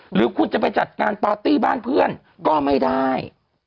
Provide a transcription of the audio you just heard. หรือคุณจะไปจัดงานปาร์ตี้บ้านเพื่อนก็ไม่ได้